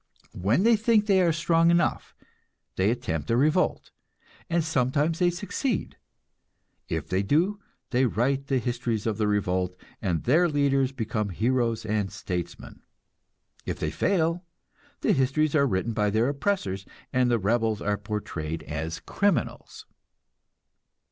When they think they are strong enough, they attempt a revolt, and sometimes they succeed. If they do, they write the histories of the revolt, and their leaders become heroes and statesmen. If they fail, the histories are written by their oppressors, and the rebels are portrayed as criminals.